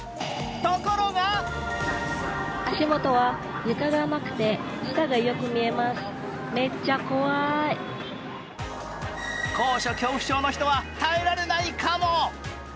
ところが高所恐怖症の人は耐えられないかも。